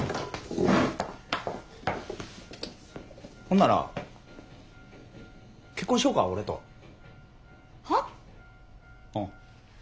ほんなら結婚しようか俺と。は？